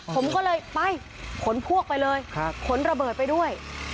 ผมก็เลยไปขนพวกไปเลยขนระเบิดไปด้วย